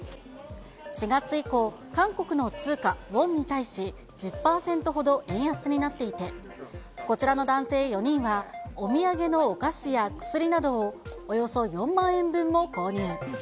４月以降、韓国の通貨・ウォンに対し、１０％ほど円安になっていて、こちらの男性４人は、お土産のお菓子や薬などをおよそ４万円分も購入。